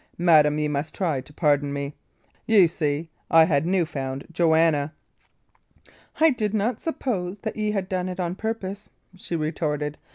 Madam, ye must try to pardon me. Ye see, I had new found Joanna!" "I did not suppose that ye had done it o' purpose," she retorted.